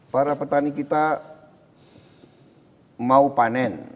para petani kita mau panen